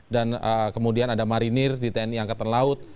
dan kemudian ada marinir di tni angkatan laut